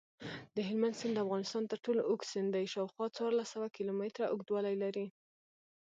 دهلمند سیند دافغانستان ترټولو اوږد سیند دی شاوخوا څوارلس سوه کیلومتره اوږدوالۍ لري.